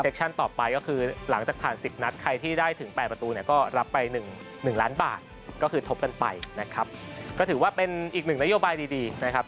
ก็คือทบกันไปนะครับก็ถือว่าเป็นอีกหนึ่งนโยบายดีนะครับ